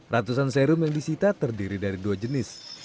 ratusan serum yang disita terdiri dari dua jenis